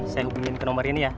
saya hubungin ke nomor ini ya